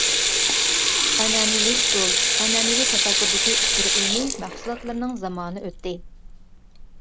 ئەنئەنىۋى ئۇسۇل، ئەنئەنىۋى تەپەككۇردىكى ئۇچۇر ئىلمى مەھسۇلاتلىرىنىڭ زامانى ئۆتتى.